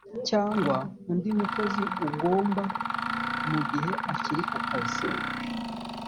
cyangwa undi mukozi ugomba mu gihe akiri ku kazi